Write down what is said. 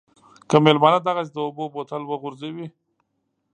که مېلمانه دغسې د اوبو بوتل وغورځوي.